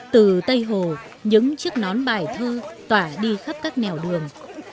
từ tây hồ những chiếc nón bài thơ tỏa đi khắp các nẻo đường